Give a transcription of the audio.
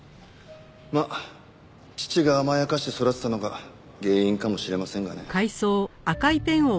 まあ父が甘やかして育てたのが原因かもしれませんがね。